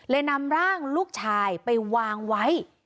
นำร่างลูกชายไปวางไว้